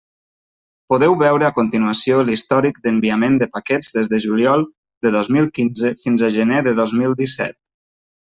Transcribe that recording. Podeu veure a continuació l'històric d'enviament de paquets des de juliol de dos mil quinze fins a gener de dos mil disset.